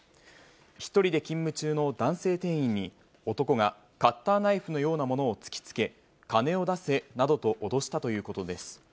１人で勤務中の男性店員に、男がカッターナイフのようなものを突きつけ、金を出せなどと脅したということです。